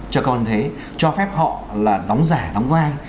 cho cơ quan thuế cho phép họ là đóng giả đóng vai